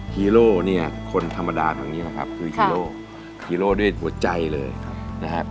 ฮีโร่เนี่ยคนธรรมดาทางนี้นะครับคือฮีโร่ฮีโร่ด้วยหัวใจเลยนะครับ